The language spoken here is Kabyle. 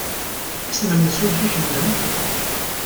Isem-nnes umcic-nnem?